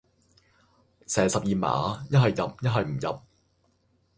射十二碼，一係入，一係唔入